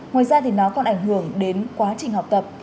ngoài ra thì nó còn ảnh hưởng đến quá trình học tập